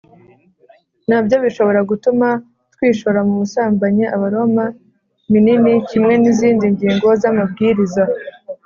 na byo bishobora gutuma twishora mu busambanyi Abaroma minini kimwe n izindi ngingo z amabwiriza